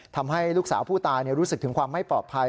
ทำให้ลูกสาวผู้ตายรู้สึกถึงความไม่ปลอดภัย